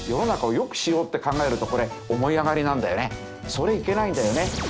それいけないんだよね。